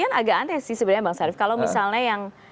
aneh sih sebenarnya bang sarif kalau misalnya yang